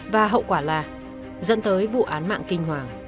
và hậu quả là dẫn tới vụ án mạng kinh hoàng